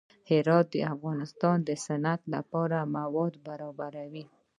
هرات د افغانستان د صنعت لپاره مواد برابروي.